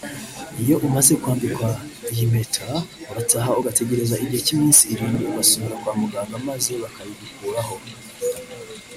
Iyo umaze kwambikwa iyi mpeta urataha ugategereza igihe cy’iminsi irindwi ugasubira kwa muganga maze bakayigukuraho